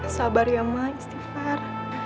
sabar ya mak istighfar